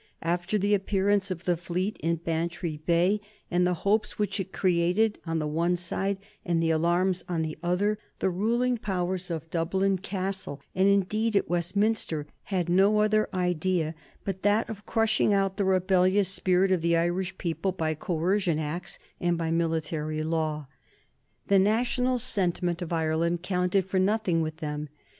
After the appearance of the fleet in Bantry Bay, and the hopes which it created on the one side and the alarms on the other, the ruling powers in Dublin Castle, and indeed at Westminster, had no other idea but that of crushing out the rebellious spirit of the Irish people by Coercion Acts and by military law. The national sentiment of Ireland counted for nothing with them.